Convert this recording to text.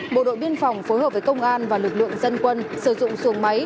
bộ đội biên phòng phối hợp với công an và lực lượng dân quân sử dụng xuồng máy